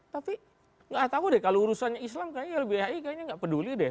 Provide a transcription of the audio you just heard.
tapi nggak tahu deh kalau urusannya islam kayaknya lbhi kayaknya nggak peduli deh